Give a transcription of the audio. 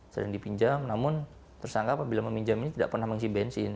sedang dipinjam namun tersangka apabila meminjam ini tidak pernah mengisi bensin